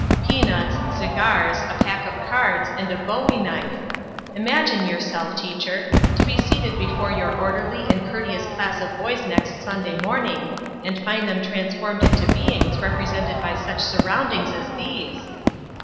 Peanuts, cigars, a pack of cards, and a bowie knife! Imagine yourself, teacher, to be seated before your orderly and courteous class of boys next Sunday morning and find them transformed into beings represented by such surroundings as these!